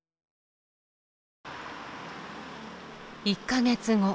１か月後。